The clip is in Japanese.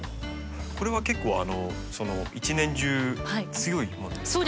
これは結構一年中強いものですか？